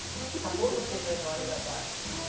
サポートしてくれるのはありがたい。